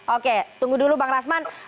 oke tunggu dulu bang rasman